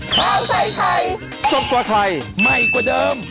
ข้าวใส่ไข่ชอบกว่าไข่ใหม่กว่าเดิม